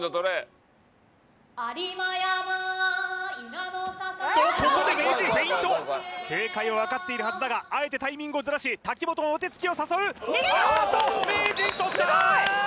やまいなのおっとここで名人フェイント正解は分かっているはずだがあえてタイミングをずらし瀧本のお手つきを誘うあっと名人取った！